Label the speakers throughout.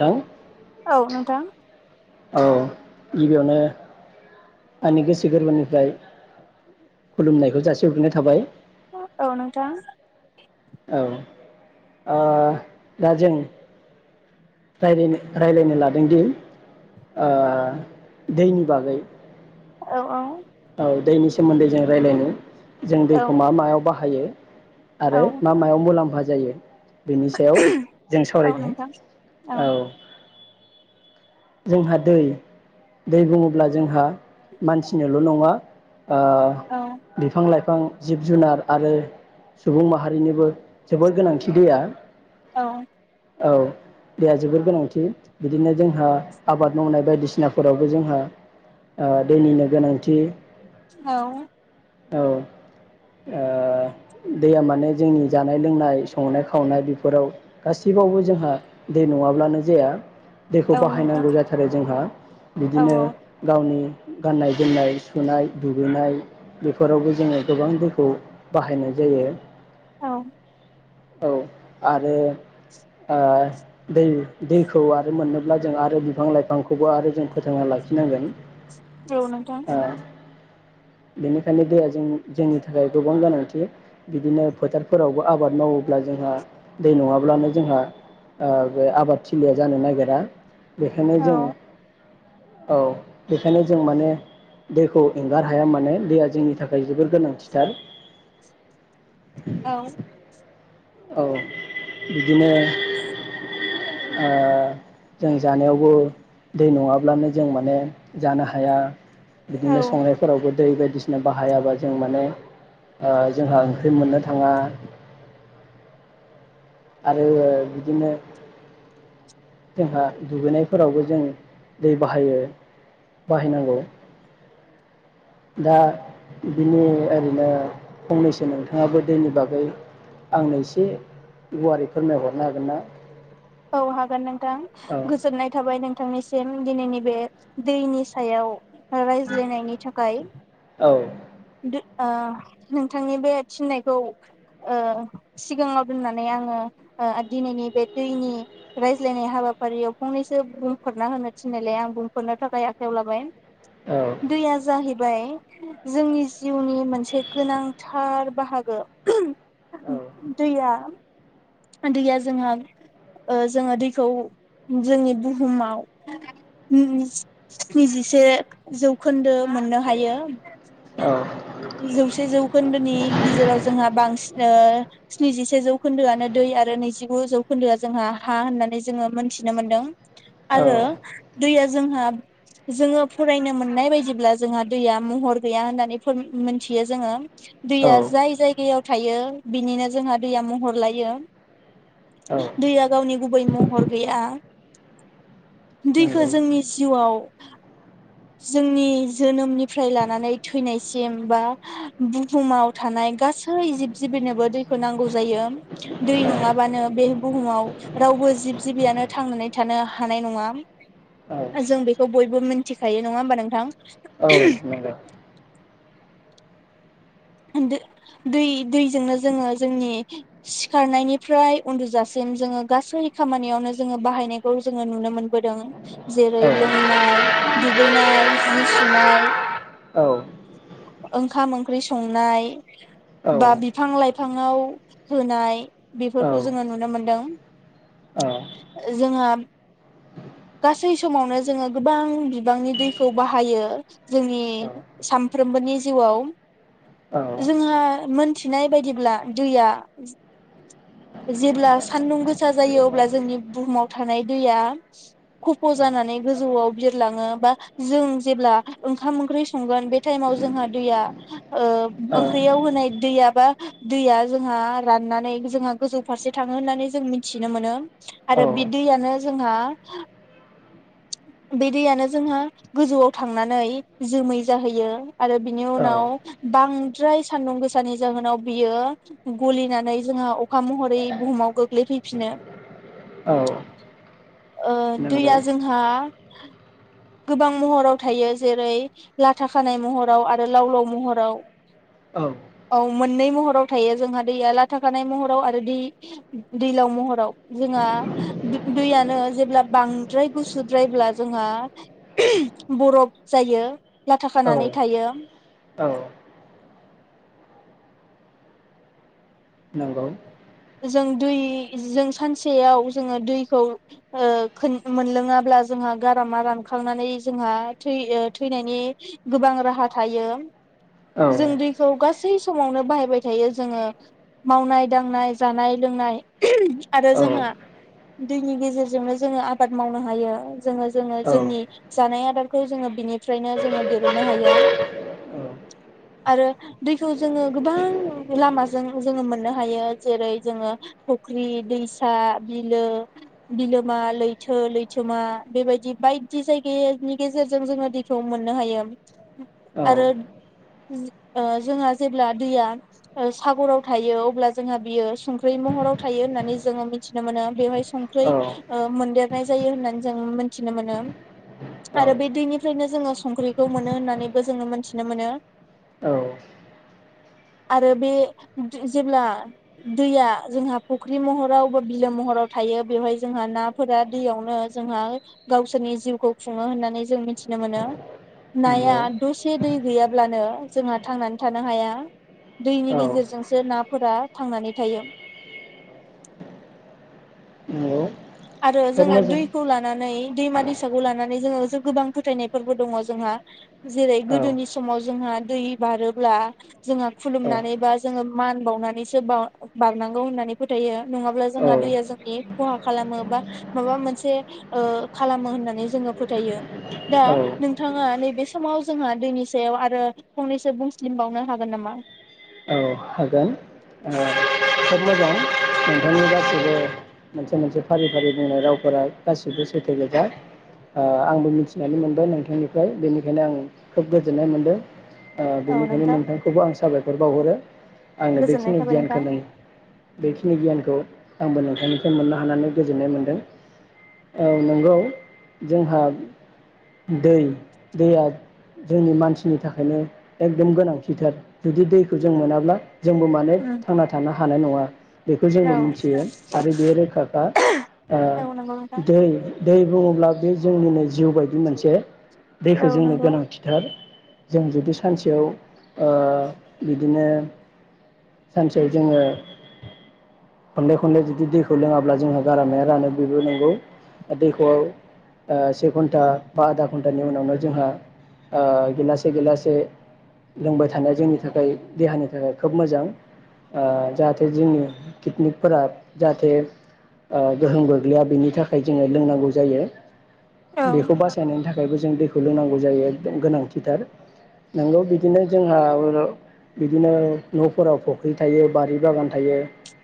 Speaker 1: थां
Speaker 2: औ नोंथां ।
Speaker 1: औ गिबियावनो आंनि गोसो गोरबोनिफ्राय खुलुमनायखौ जासिहरग्रोननाय थाबाय ।
Speaker 2: औ नोंथां ।
Speaker 1: औ ओ दा जों रायलायनो रायलायनो लादोंदि ओ दैनि बागै ।
Speaker 2: औ औ
Speaker 1: औ दैनि सोमोन्दै जों रायलायनो । जों
Speaker 2: औ
Speaker 1: दैखौ मा मायाव बाहायो [unintelligible] आरो
Speaker 2: औ
Speaker 1: मा मायाव मुलाम्फा जा जायो । बेनि सायाव जों
Speaker 2: औ
Speaker 1: सावरायनि
Speaker 2: नोंथां
Speaker 1: औ जोंहा दै दै बुङोब्ला जोंहा मानसिनोल' नङा ओ
Speaker 2: औ
Speaker 1: बिफां लाइ फां जिब जुनार आरो सुबुं माहारिनिबो जोबोर गोनांथि दैया ।
Speaker 2: औ ।
Speaker 1: औ दैया जोबोर गोनांथि बिदिनो जोंहा आबाद मावनाय बायदिसिनाफोरावबो जोंहा ओ दैनिनो गोनांथि
Speaker 2: औ ।
Speaker 1: औ ओ दैया माने जोंनि जानाय लोंनाय संनाय खावनाय बेफोराव गासैबावबो जोंहा दै नङाब्लानो जाया। दैखौ
Speaker 2: औ
Speaker 1: बाह
Speaker 2: नोंथां
Speaker 1: हायनांगौ जाथारो जोंहा
Speaker 2: औ
Speaker 1: बिदिनो गावनि गाननाय जोमनाय सुनाय दुगैनाय बेफोरावबो जोङो गोबां दैखौ बाहायनाय जायो ।
Speaker 2: औ ।
Speaker 1: औ आरो ओ दै दैखौ आरो मोननोब्ला जों आरो बिफां लाइफांखौबो आरो जों फोथांना लाखिनांगोन।
Speaker 2: औ नोंथां ।
Speaker 1: ओ बेनिखायनो दैया जों जोंनि थाखाय गोबां गोनांथि बिदिनो फोथारफोरावबो आबाद मावोब्ला जोंहा दै नङाब्लानो जोंहा ओ बे आबाद थिलिया जानो नागिरा। बेखायनो
Speaker 2: औ
Speaker 1: जों औ बेखायनो जों माने दैखौ एंगार हाया माने दैया जोंनि थाखाय जोबोर गोनांथिथार।
Speaker 2: औ ।
Speaker 1: औ बिदिनो ओ जों जानायावबो दै नङाब्लानो जों माने जानो हाया बिदिनो
Speaker 2: औ
Speaker 1: संनायफोरावबो दै बायदिसिना बाहायाबा जों माने ओ जोंहा ओंख्रि मोननो थाङा। आरो ओ बिदिनो जोंहा दुगैनायफोरावबो जों दै बाहायो बाहायनांगौ दा बिदिनि ओरैनो फंनैसो नोंथाङाबो दैनि बागै आंनो एसे गुवारै फोरमायहरनो हागोन ना?
Speaker 2: औ हागोन नोंथां
Speaker 1: औ
Speaker 2: गोजोननाय थाबाय नोंथांनिसिम । दिनैनि बे दैनि सायाव रायज्लायनायनि थाखाय
Speaker 1: औ
Speaker 2: दु ओ नोंथांनि बे थिननायखौ ओ सिगाङाव दोननानै आङो ओ दिनैनि बे दैनि रायज्लायनाय हाबाफारियाव फंनैसो बुंफोरना होनो थिन्नायलाय आं बुंफोरनो थाखाय आखायाव लाबाय।
Speaker 1: औ
Speaker 2: दैया जाहै बाय जोंनि जिउनि मोनसे गोनांथार बाहागो।
Speaker 1: औ
Speaker 2: दैया दैया जोंहा ओ जोङो दैखौ जोंनि बुहुमाव स्निजिसे जौखोन्दो मोननो हायो।
Speaker 1: औ ।
Speaker 2: जौसे बे जौखोन्दोनि गेजेराव जोंहा बांसिन ओ स्निजिसे जौखोन्दो आनो दै आरो नैजिगु जौखोन्दोआ जोंहा हा होननानै जोङो मोनथिनो मोनदों।
Speaker 1: औ
Speaker 2: आरो दैया जोंहा जोङो फरायनो मोननाय बायदिब्ला जोंहा दैया महर गैया होननानै फन मोनथियो जोङो
Speaker 1: औ
Speaker 2: दैया जाय जायगायाव थायो बिनिनो जोंहा दैया महर लायो
Speaker 1: औ
Speaker 2: दैया गावनि गुबै महर गैया । दैखो
Speaker 1: नंगौ
Speaker 2: जोंनि जिउआव जोंनि जोनोमनिफ्राय लानानै थैनाय सिम बा बुहुमाव थानाय गासै जिब जिबिनोबो दैखौ नांगौ जायो दै नङाबानो बे बुहुमाव रावबो जिब जिबियानो थांनानै थानो हानाय नङा।
Speaker 1: औ
Speaker 2: जों बेखौ बयबो मिथिखायो नङा होमबा नोंथां?
Speaker 1: औ नोगो
Speaker 2: ओंदो दै-दैजोंनो जोङो जोंनि सिखारनायनिफ्राय उन्दुजासिम जोङो गासै खामानियावनो जोङो बाहायनायखौ जोङो नुनो मोनबोदों जेरै
Speaker 1: औ
Speaker 2: लोंनाय दुगैनाय जि सुनाय
Speaker 1: औ
Speaker 2: ओंखाम ओंख्रि संनाय
Speaker 1: औ
Speaker 2: बा बिफां लाइफाङाव होनाय बेफोरखौ जोङो नुनो मोनदों। जोंहा गासै समावनो जोङो गोबां बिबांनि दैखौ बाहायो जोंनि साम फ्रोमबोनि जिउआव
Speaker 1: औ
Speaker 2: जोंहा मोनथिनाय बायदिब्ला दैया जेब्ला सान्दुं गोसा जायो अब्ला जोंनि बुहुमाव थानाय दैया खफ' जानानै गोजौआव बिरलाङो बा जों जेब्ला ओंखाम ओंख्रि संगोन बे टाइमाव जोंहा दैया ओ ओंख्रियाव होनाय दैया बा दैया जोंहा राननानै जोंहा गोजौ फारसे थाङो होननानै जों मिथिनो मोनो। आरो बि दैयानो जोंहा बे दैयानो जोंहा गोजौआव थांनानै जोमै जाहैयो। आरो बिनि
Speaker 1: औ
Speaker 2: उनाव बांद्राय सान्दुं गोसानि जाहोनाव बियो गलिनानै जोंहा अखा महरै बुहुमाव गोग्लैफैफिनो
Speaker 1: औ औ
Speaker 2: ओ
Speaker 1: नंगौ
Speaker 2: दैया जों हा गोबां महराव थायो जेरै लाथा खानाय महराव आरो लाव लाव महराव
Speaker 1: औ
Speaker 2: औ मोननै महराव थायो जोंहा दैया लाथाखानाय महराव आरो दै-दैलाव महराव जोंहा दैयानो जेब्ला बांद्राय गुसुद्रायब्ला जोंहा [unintelligible] बरफ जायो। लाथा
Speaker 1: औ
Speaker 2: खानानै थायो
Speaker 1: औ नंगौ
Speaker 2: जों दै जों सानसेयाव जोङो दैखौ ओ खो मोनलोङाब्ला जोंहा गारामा रानखांनानै जोंहा थै ओ थैनायनि गोबां राहा थायो।
Speaker 1: औ
Speaker 2: जों दै खौ गासै समावनो बाहायबाय थायो जोङो मावनाय दांनाय जानाय लोंनाय आरो
Speaker 1: औ
Speaker 2: जोंहा दैनि गेजेरजोंनो जोङो आबाद मावनो हायो जोङो जोङो
Speaker 1: औ
Speaker 2: जोंनि जानाय आदारखौ जोङो बिनिफ्रायनो जोङो दिरुननो हायो आरो दैखौ जोङो गोबां लामाजों जोङो मोननो हायो। जेरै जोङो फुख्रि दैसा बिलो बिलोमा लैथो लैथोमा बेबायदि बायदि जायगानि गेजेरजों जोङो दैखौ मोननो हायो
Speaker 1: औ
Speaker 2: आरो ओ जोंहा जेब्ला दैया सागराव थायो अब्ला जोंहा बियो संख्रि महराव थायो होननानै जोङो मिथिनो मोनो बेवहाय संख्रै
Speaker 1: औ
Speaker 2: मोनदेर नाय जायो होननानै जों मोनथिनो मोनो
Speaker 1: औ
Speaker 2: आरो बे दैनिफ्रायनो जोङो संख्रिखौ मोनो होननानैबो जोङो मोनथिनो मोनो। आरो बे जेब्ला दैया जोंहा फुख्रि महराव बा बिलो महराव थायो बेवहाय जोंहा नाफोरा दैयावनो जोंहा गावसोरनि जिउखौ खुङो होननानै जों मिथिनो मोनो। नाया
Speaker 1: नंगौ
Speaker 2: द'से दै गैयाब्लानो जोंहा थांनानै थानो हाया दैनि
Speaker 1: औ
Speaker 2: गेजेरजोंसो नाफोरा थांनानै थायो [inaudible]
Speaker 1: नंगौ
Speaker 2: आरो
Speaker 1: खोब
Speaker 2: जोङो
Speaker 1: मोजां
Speaker 2: दैखौ लानानै दैमा दैसाखौ लानानै जोङो गोबां फोथायनायफोरबो दङ जोंहा जेरै
Speaker 1: औ
Speaker 2: गोदोनि समाव जोंहा दै बारोब्ला जोंहा
Speaker 1: औ
Speaker 2: खुलुमनानै बा जोङो मान बावनानैसो ब-बारनांगौ होननानै फोथायो नङाब्ला जोंहा
Speaker 1: औ
Speaker 2: दैया जोंनि खहा खालामो बा माबा मोनसे ओ‌ खालामो होननानै जोङो फोथायो । दा
Speaker 1: औ
Speaker 2: नोंथाङा नैबे समाव जोंहा दैनि सायाव आरो फंनैसो बुंस्लिमबावनो हागोन नामा?
Speaker 1: ओ हागोन खोब मोजां नोंथांनि गासैबो मोनसे मोनसे फारि फारि बुंनाय रावफोरा गासिबो सैथोजोबखा आंबो मिथिनानै मोनबाय नोंथांनिफ्राय बेनिखायनो आं खोब गोजोननाय मोनदों। ओ
Speaker 2: औ
Speaker 1: बेनिखायनो
Speaker 2: नोंथां
Speaker 1: नोंथांखौबो आं साबायखर बावहरो आंनो
Speaker 2: गोजोननाय
Speaker 1: बेखिनि
Speaker 2: थाबाय
Speaker 1: गियानखौ
Speaker 2: नोंथां।
Speaker 1: नो बेखिनि गियानखौ आंबो नोंथांनिफ्राय मोननो हानानै गोजोननाय मोनदों औ नंगौ जोंहा दै दैया जोंनि मानसिनि थाखायनो एकदम गोनांथिथार जुदि दैखौ जों मोना मा जोंबो माने
Speaker 2: उम
Speaker 1: थांना थानो हा हानाय नङा बेखौ
Speaker 2: औ
Speaker 1: जोंबो मिथियो आरो बे रोखाखा ओ
Speaker 2: औ नंगौ नोंथां
Speaker 1: दै दै बुङोब्ला बे जोंनिनो जिउ बायदि मोनसे दैखौ
Speaker 2: औ
Speaker 1: जोंनो
Speaker 2: नंगौ
Speaker 1: गोनांथिथार जों जुदि सानसेयाव ओ बिदिनो सानसेयाव जोङो खनले खनले जुदि दैखौ लोङाब्ला जोंहा गारामाया रानो बेबो नंगौ दैखौ ओ से घन्टा बा आधा घन्टानि उनावनो जोंहा ओ गिलासे गिलासे लोंबाय थानाया जोंनि थाखाय देहानि थाखाय खोब मोजां ओ जाहाथे जोंनि कितनिकफोरा जाहाथे ओ गोहोम गोग्लैया बेनि थाखाय जोङो लोंनांगौ जायो।
Speaker 2: औ
Speaker 1: बेखौ बासायनायनि थाखायबो जों दैखौ लोंनांगौ जायो एकदम गोनांथिथार नोंगौ बिदिनो जोंहा बिदिनो न'फोराव फुख्रि थायो बारि बागान थायो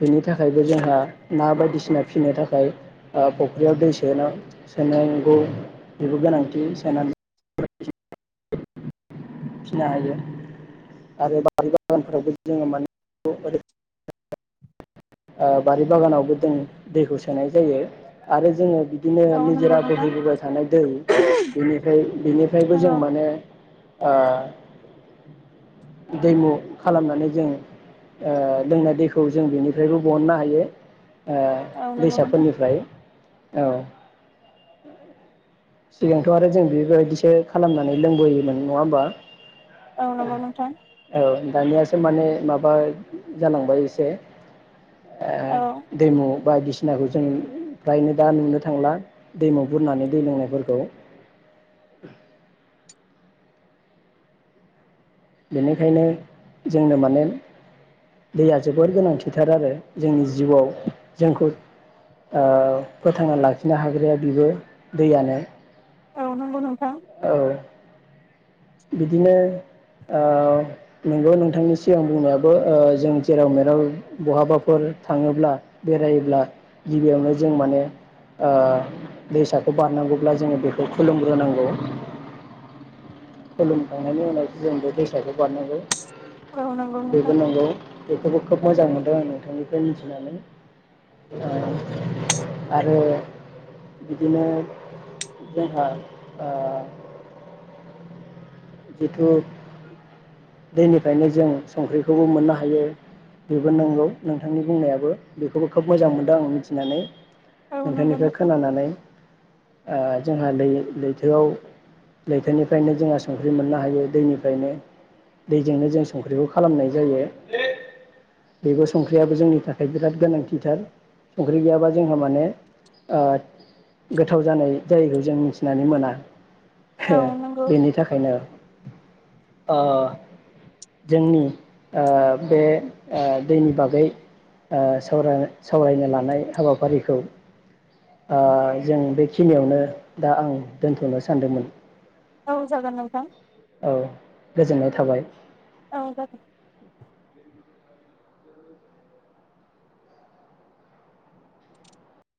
Speaker 1: बेनि थाखायबो जोंहा ना बायदिसिना फिनो थाखाय ओ फुख्रियाव दै सोना सोनांगौ बेबो गोनांथि सोन फिसिनो हायो आरो बारि बागानफोरावबो जोङो माने ओरै ओ बारि बागानावबो जों दैखौ सोनाय जायो आरो जोङो बिदिनो
Speaker 2: औ नंगौ
Speaker 1: निजोरा
Speaker 2: नोंथां
Speaker 1: बोहैबोबाय थानाय दै बेनिफ्राय बेनिफ्रायबो
Speaker 2: औ
Speaker 1: जों माने ओ दैमु खालामनानै जों ओ लोंनाय दैखौ जों बेनि [unintelligible] बहननो हायो आ
Speaker 2: औ नंगौ नोंथां
Speaker 1: दैसाफोरनिफ्राय औ [inaudible] सिगांथ' आरो जों बेबायदिसो खालामनानै लोंबोयोमोन नङा होमबा
Speaker 2: औ नंगौ नोंथां
Speaker 1: औ दानियासो माने माबा जालांबाय एसे आ
Speaker 2: औ
Speaker 1: दैमु बायदिसिनाखौ जों फ्रायनो दा नुनो थांला दैमु बुरनानै दै लोंनाय फोरखौ बेनिखायनो जोंनो माने दैया जोबोर गोनांथिथार आरो जोंनि जिउआव जोंखौ, ओ फोथांना लाखिनो हाग्राया बेबो दैयानो।
Speaker 2: औ नंगौ नोंथां
Speaker 1: औ बिदिनो ओ नोंगौ नोंथांनि सिगां बुंनायाबो ओ जों जेराव मेराव बहाबाफोर थाङोब्ला बेरायोब्ला गिबियावनो जों माने दैसाखौ बारनांगौब्ला जोङो बेखौ खुलुमग्रोनांगौ खुलुमखांनायनि उनावसो जों बे दैसाखौ बारनांगौ
Speaker 2: औ नंगौ
Speaker 1: बेबो
Speaker 2: नोंथां।
Speaker 1: नंगौ बेखौबो खोब मोजां मोनदों आं नोंथांनिफ्राय मिथिनानै ओ आरो बिदिनो जोंहा ओ जिथु दैनिफ्रायनो जों संख्रिखौबो मोननो हायो बेबो नंगौ नोंथांनि बुंनायाबो बेखौबो खोब मोजां मोनदों आं मिथिनानै
Speaker 2: औ नंगौ
Speaker 1: नोंथांनिफ्राय
Speaker 2: नोंथां
Speaker 1: खोनानानै ओ जोंहा लै-लैथोआव लैथोनिफ्रायनो जोंहा संख्रि मोननो हायो दैनिफ्रायनो, दैजोंनो जों संख्रिखौ खालामनाय जायो बेबो संख्रियाबो जोंनि थाखाय बिराद गोनांथिथार संख्रि गैयाबा जोंहा माने ओ गोथाव जानाय जायैखौ जों मिथिनानै मोना।
Speaker 2: औ
Speaker 1: हे!
Speaker 2: नंगौ
Speaker 1: बेनि था आ, जोंनि ओ बे आ दैनि बागै आ सावरायनो लानाय हाबाफारिखौ आ जों बेखिनियावनो दा आं दोन्थ'नो सानदोंमोन ।
Speaker 2: औ जागोन नोंथां ।
Speaker 1: औ गोजोननाय थाबाय ।
Speaker 2: औ, जागोन ।